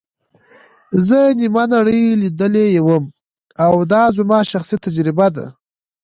زه نیمه نړۍ لیدلې وم او دا زما شخصي تجربه ده.